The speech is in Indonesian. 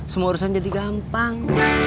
semua urusan jadi gampang